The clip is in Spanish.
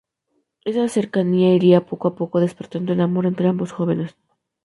Esa cercanía irá, poco a poco, despertando el amor entre ambos jóvenes.